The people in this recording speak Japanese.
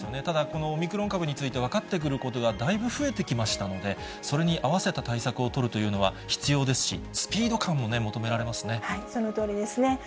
ただ、このオミクロン株について分かってくることがだいぶ増えてきましたので、それに合わせた対策を取るというのは必要ですし、スピード感も求そのとおりですね。